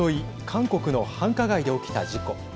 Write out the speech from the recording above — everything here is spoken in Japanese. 韓国の繁華街で起きた事故。